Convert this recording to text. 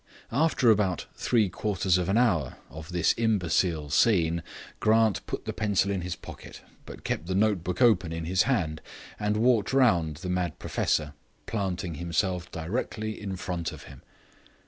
After about three quarters of an hour of this imbecile scene, Grant put the pencil in his pocket, but kept the note book open in his hand, and walking round the mad professor, planted himself directly in front of him.